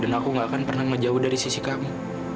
dan aku nggak akan pernah menjauh dari sisi kamu